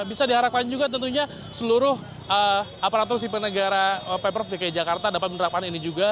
bisa diharapkan juga tentunya seluruh aparatur sipil negara pemprov dki jakarta dapat menerapkan ini juga